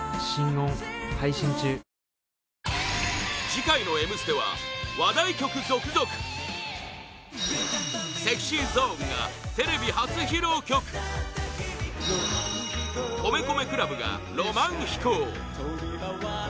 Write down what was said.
次回の「Ｍステ」は話題曲続々ＳｅｘｙＺｏｎｅがテレビ初披露曲米米ＣＬＵＢが「浪漫飛行」